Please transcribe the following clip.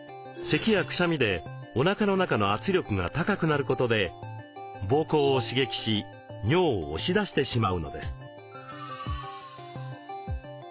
せきやくしゃみでおなかの中の圧力が高くなることで膀胱を刺激し尿を押し出してしまうのです。